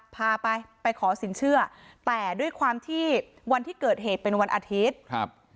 พาไปไปขอสินเชื่อแต่ด้วยความที่วันที่เกิดเหตุเป็นวันอาทิตย์ครับ